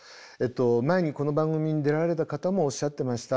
前にこの番組に出られた方もおっしゃってました。